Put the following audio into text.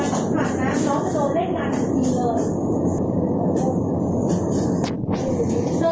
คุณลูกโลกอีกรอบอยู่ที่นี่นะ